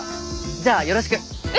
じゃあよろしく！え？